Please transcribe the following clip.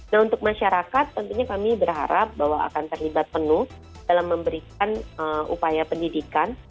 nah untuk masyarakat tentunya kami berharap bahwa akan terlibat penuh dalam memberikan upaya pendidikan